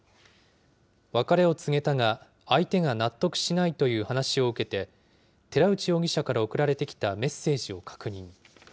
別れを告げたが相手が納得しないという話を受けて、寺内容疑者から送られてきたメッセージを確認。